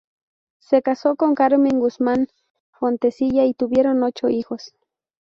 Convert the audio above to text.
Se casó con Carmen Guzmán Fontecilla y tuvieron ocho hijos.